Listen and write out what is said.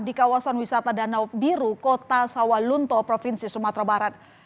di kawasan wisata danau biru kota sawalunto provinsi sumatera barat